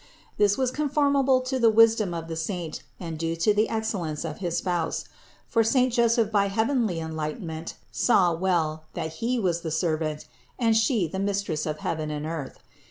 This was conformable to the wisdom of the saint and due to the excellence of his Spouse ; for saint Joseph by heavenly enlightenment saw well, that he was the servant and She the Mistress of heaven and earth.